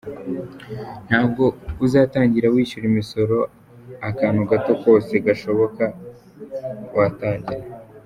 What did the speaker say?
Ntabwo uzatangira wishyura imisoro, akantu gato kose gashoboka watangira.